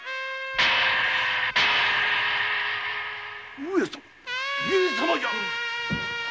上様じゃ！